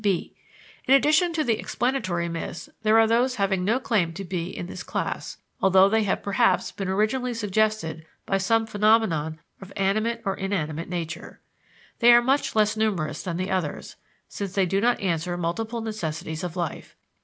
b. In addition to the explanatory myths, there are those having no claim to be in this class, although they have perhaps been originally suggested by some phenomenon of animate or inanimate nature. They are much less numerous than the others, since they do not answer multiple necessities of life.